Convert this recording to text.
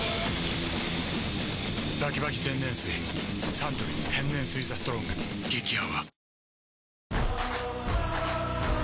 サントリー天然水「ＴＨＥＳＴＲＯＮＧ」激泡